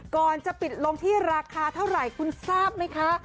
ก่อนจะปิดลงที่ราคาเท่าไหร่คุณทราบไหมคะ